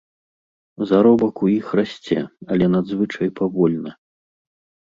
Заробак у іх расце, але надзвычай павольна.